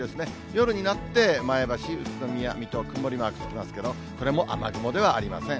夜になって、前橋、宇都宮、水戸、曇りマークつきますけど、これも雨雲ではありません。